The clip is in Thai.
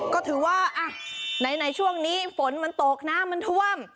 ก็ถือว่าในช่วงนี้ฝนมันตกน้ำมันท่วม